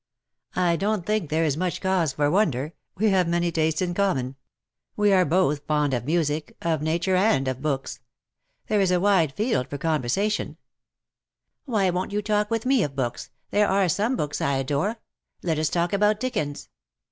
''" I don't think there is much cause for wonder. We have many tastes in common. Wc arc both R 2 244 '^WHO KNOWS NOT CIRCE?" fond of music — of Nature — and of books. There is a wide field for conversation.^' *" Why won't you talk with me of books. There are some books I adore. Let us talk about Dickens."